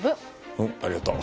うんありがとう。